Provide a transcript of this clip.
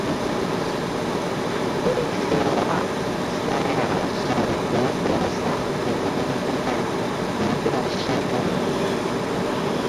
魏斯瓦塞尔是德国萨克森州的一个市镇。